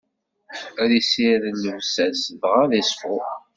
Ad issired llebsa-s, dɣa ad iṣfu.